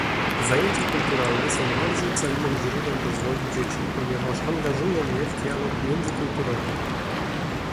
Zajęcia kulturalne są bardzo cennym źródłem rozwoju dzieci, ponieważ angażują je w dialog międzykulturowy